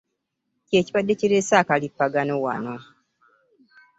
Kye kibadde kireese akalippagano wano.